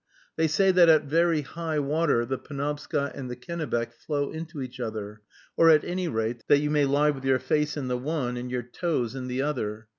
They say that at very high water the Penobscot and the Kennebec flow into each other, or at any rate, that you may lie with your face in the one and your toes in the other.